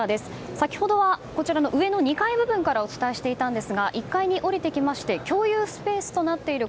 先ほどは上の２階部分からお伝えしていたんですが１階に降りてきまして共有スペースとなっている